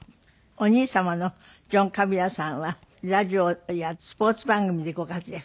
お兄様のジョン・カビラさんはラジオやスポーツ番組でご活躍。